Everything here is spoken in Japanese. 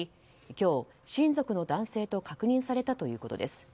今日、親族の男性と確認されたということです。